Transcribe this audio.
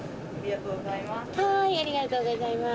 ありがとうございます。